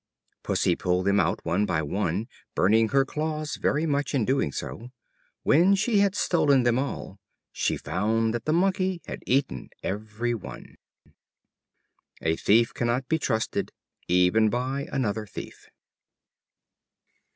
Pussy pulled them out one by one, burning her claws very much in doing so. When she had stolen them all, she found that the Monkey had eaten every one. A thief cannot be trusted, even by another thief.